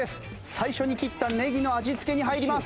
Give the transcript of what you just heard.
最初に切ったネギの味付けに入ります。